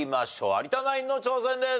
有田ナインの挑戦です。